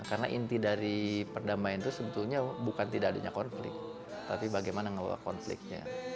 karena inti dari perdamaian itu sebetulnya bukan tidak adanya konflik tapi bagaimana mengelola konfliknya